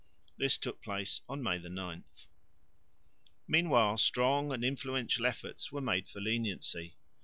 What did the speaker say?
This took place on May 9. Meanwhile strong and influential efforts were made for leniency.